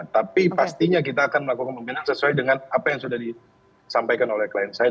tapi pastinya kita akan melakukan pembinaan sesuai dengan apa yang sudah disampaikan oleh klien saya